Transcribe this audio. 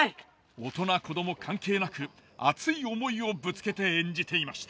大人子ども関係なく熱い思いをぶつけて演じていました。